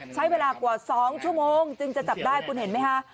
ใช้เวลากว่า๒ชั่วโมงจึงจะจับได้คุณเห็นไหมคะ